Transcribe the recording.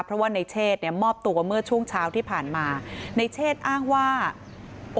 เพราะว่าในเชศเนี่ยมอบตัวเมื่อช่วงเช้าที่ผ่านมาในเชศอ้างว่า